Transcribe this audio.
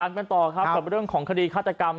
กันต่อครับกับเรื่องของคดีฆาตกรรม